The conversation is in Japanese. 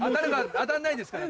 当たんないですから。